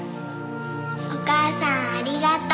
お母さんありがとう。